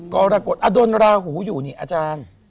กรกฎอดลราหูอยู่นี่อาจารย์